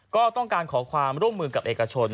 ก็ต้องการขอความร่วมมือกับเอกชน